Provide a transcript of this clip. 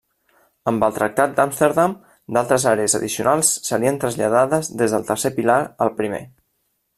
Amb el Tractat d'Amsterdam, d'altres àrees addicionals serien traslladades des del tercer pilar al primer.